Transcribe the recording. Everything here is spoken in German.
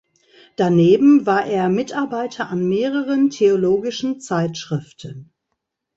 Daneben war er Mitarbeiter an mehreren theologischen Zeitschriften.